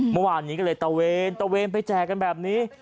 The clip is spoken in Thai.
เมื่อวานนี้ก็เลยตะเวนตะเวนไปแจกกันแบบนี้